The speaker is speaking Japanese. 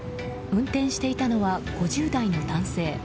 運転していたのは５０代の男性。